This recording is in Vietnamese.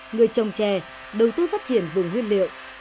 người trồng chè đầu tư phát triển vùng nguyên liệu